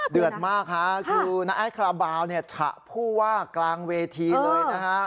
เดือดมากฮะคือน้าไอ้คาราบาลเนี่ยฉะผู้ว่ากลางเวทีเลยนะฮะ